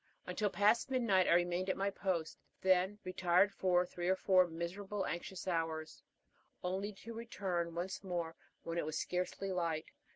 Until past midnight I remained at my post, then retired for three or four miserable, anxious hours, only to return once more when it was scarcely light.